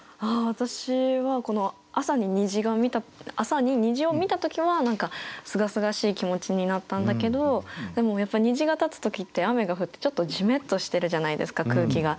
私はこの朝に虹を見た時は何かすがすがしい気持ちになったんだけどでもやっぱ虹が立つ時って雨が降ってちょっとじめっとしてるじゃないですか空気が。